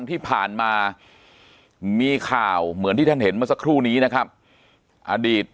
ที่ผ่านมามีข่าวเหมือนที่ท่านเห็นเมื่อสักครู่นี้นะครับอดีต